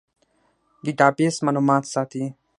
ډیټابیس معلومات ساتي